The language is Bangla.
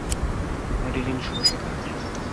মেডিলিন, শুভ সকাল।